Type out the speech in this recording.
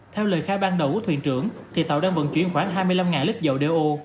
theo lời khai ban đầu của thuyền trưởng tàu đang vận chuyển khoảng hai mươi năm lít dầu đeo